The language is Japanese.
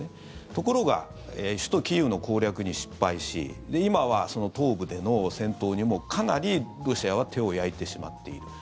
ところが首都キーウの攻略に失敗し今は東部での戦闘にもかなりロシアは手を焼いてしまっている。